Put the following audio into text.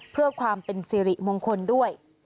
เพื่อความเป็นสิริมงคลด้วย